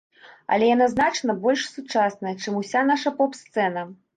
Але яна значна больш сучасная, чым уся наша поп-сцэна.